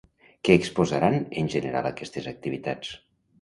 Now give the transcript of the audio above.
Què exposaran en general aquestes activitats?